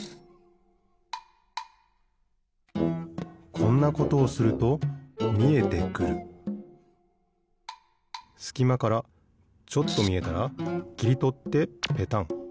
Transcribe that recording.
こんなことをするとみえてくるすきまからちょっとみえたらきりとってペタン。